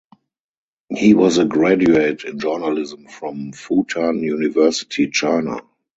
He was a graduate in Journalism from Fu Tan University, China.